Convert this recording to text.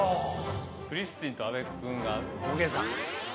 クリスティーンと阿部君が「土下座」。